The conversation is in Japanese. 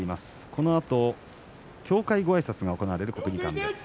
このあと協会ごあいさつが行われる国技館です。